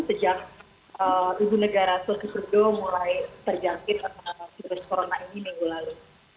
sejak ibu negara sosipudo mulai terjangkit karena virus corona ini minggu lalu